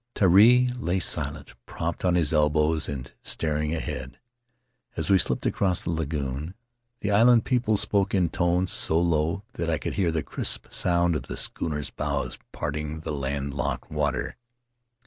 Terii lay silent, propped on his elbows and staring ahead, as we slipped across the lagoon; the island people spoke in tones so low that I could hear the crisp sound of the schooner's bows parting the land locked water.